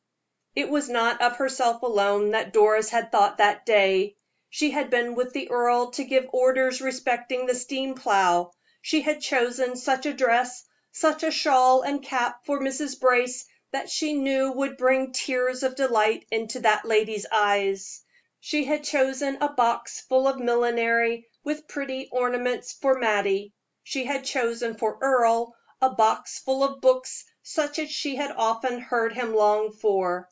It was not of herself alone that Doris had thought that day. She had been with the earl to give orders respecting the steam plow; she had chosen such a dress, such a shawl and cap for Mrs. Brace, that she knew would bring tears of delight into that lady's eyes; she had chosen a box full of millinery, with pretty ornaments, for Mattie; she had chosen for Earle a box full of books such as she had often heard him long for.